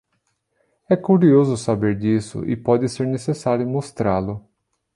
É curioso saber disso, e pode ser necessário mostrá-lo.